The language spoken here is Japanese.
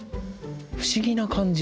不思議な感じ。